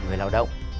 người lao động